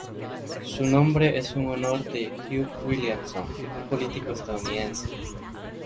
Su nombre es en honor de Hugh Williamson, un político estadounidense.